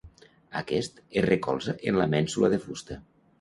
Aquest es recolza en la mènsula de fusta.